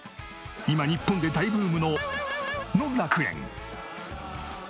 今日本で大ブームのの楽園。